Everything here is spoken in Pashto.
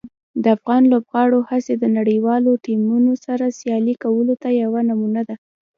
د افغان لوبغاړو هڅې د نړیوالو ټیمونو سره سیالي کولو ته یوه نمونه ده.